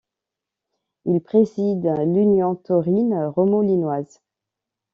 Il préside l'Union taurine remoulinoise.